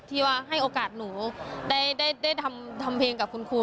ที่ว่าให้โอกาสหนูได้ทำเพลงกับคุณครู